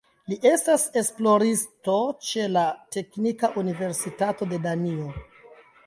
Li estas esploristo ĉe la Teknika Universitato de Danio.